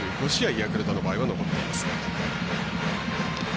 ヤクルトの場合は残っています。